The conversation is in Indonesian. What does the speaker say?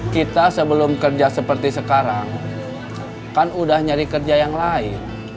kita sebelum kerja seperti sekarang kan udah nyari kerja yang lain